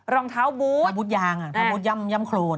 รองเท้าบุ๊ตพระพุทธยางพระพุทธย่ำโครน